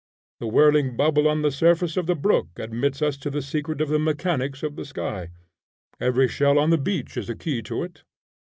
The whirling bubble on the surface of a brook admits us to the secret of the mechanics of the sky. Every shell on the beach is a key to it.